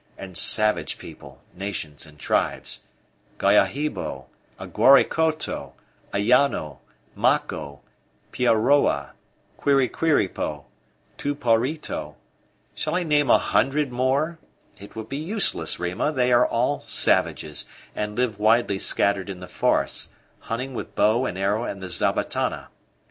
And savage people, nations and tribes Guahibo, Aguaricoto, Ayano, Maco, Piaroa, Quiriquiripo, Tuparito shall I name a hundred more? It would be useless, Rima; they are all savages, and live widely scattered in the forests, hunting with bow and arrow and the zabatana.